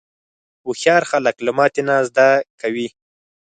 هوښیار خلک له ماتې نه زده کوي.